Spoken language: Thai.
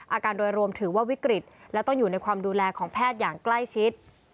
อาการโดยรวมถือว่าวิกฤตและต้องอยู่ในความดูแลของแพทย์อย่างใกล้ชิด